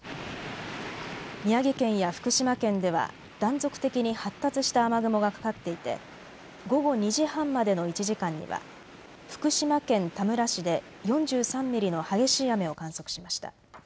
宮城県や福島県では断続的に発達した雨雲がかかっていて午後２時半までの１時間には福島県田村市で４３ミリの激しい雨を観測しました。